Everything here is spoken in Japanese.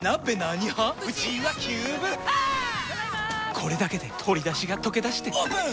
これだけで鶏だしがとけだしてオープン！